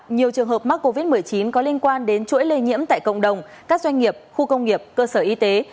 nhiều trường hợp mắc covid một mươi chín có liên quan đến chuỗi lây nhiễm tại cộng đồng các doanh nghiệp khu công nghiệp cơ sở y tế